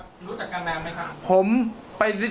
รู้จักกันแม่ไหมครับ